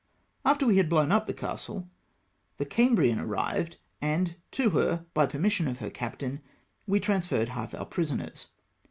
After we had blown up the castle, the Cambrian arrived, and to her, by permission of her captain, we transferred half our prisoners.